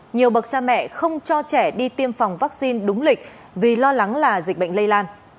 nhiều bậc cha mẹ không cho trẻ đi tiêm phòng vaccine đúng lịch vì lo lắng là dịch bệnh lây lan